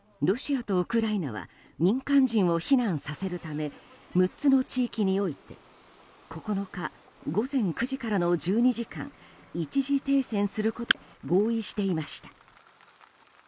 ロシアとウクライナは民間人を避難させるため６つの地域において９日、午前９時からの１２時間一時停戦することで合意していました。